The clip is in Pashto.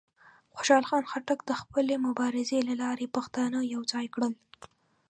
خوشحال خان خټک د خپلې مبارزې له لارې پښتانه یوځای کړل.